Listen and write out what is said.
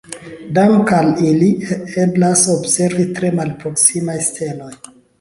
Dank'al ili eblas observi tre malproksimaj steloj.